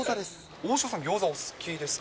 大城さん、ギョーザお好きですか。